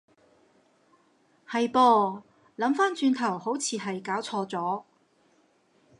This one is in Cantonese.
係噃，諗返轉頭好似係攪錯咗